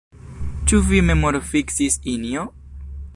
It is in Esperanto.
Ĉu vi memorfiksis, Injo?